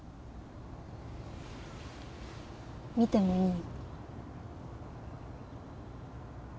見てもいい？